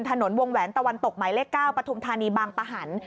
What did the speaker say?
ถนนวงแหวนตะวันตกหมายเลข๙ปฐุมธานีบางปะหัน